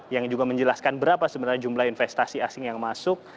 yang juga menjelaskan berapa sebenarnya jumlah investasi asing yang masuk